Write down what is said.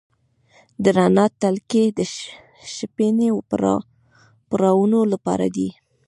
د رڼا تلکې د شپنۍ پروانو لپاره دي؟